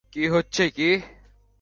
কি হচ্ছে কি?